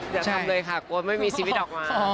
อย่าทำเลยค่ะกลัวไม่มีชีวิตออกมา